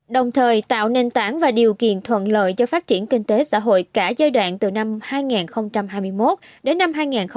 đồng thời tạo nền tảng và điều kiện thuận lợi cho phát triển kinh tế xã hội cả giai đoạn từ năm hai nghìn hai mươi một đến năm hai nghìn ba mươi